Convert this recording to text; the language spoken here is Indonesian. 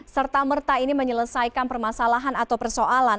serta merta ini menyelesaikan permasalahan atau persoalan